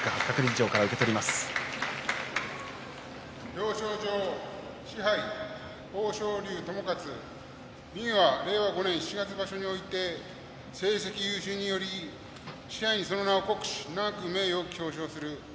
表彰状賜盃豊昇龍智勝右は令和５年七月場所において成績優秀により賜盃に、その名を刻し永く名誉を表彰する。